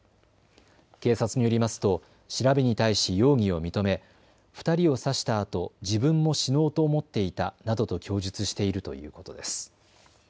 警察によりますと調べに対し容疑を認め２人を刺したあと自分も死のうと思っていたなどと供述しているということです。